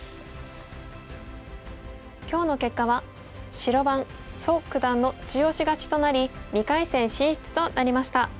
今日の結果は白番蘇九段の中押し勝ちとなり２回戦進出となりました。